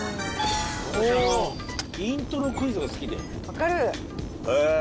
私あのイントロクイズが好きで分かるへえ